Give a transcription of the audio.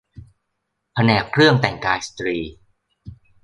แผนกเครื่องแต่งกายสตรี